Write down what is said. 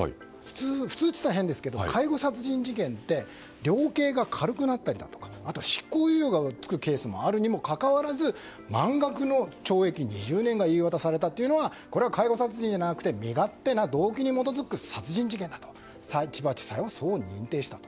普通というと変ですが介護殺人事件って量刑が軽くなったりとか執行猶予がつくケースがあるにもかかわらず満額の懲役２０年が言い渡されたというのはこれは介護殺人じゃなくて身勝手な動機に基づく殺人事件だと千葉地裁は認定したと。